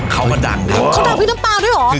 เขาเขาดังพลิกน้ำปลาด้วยหรอ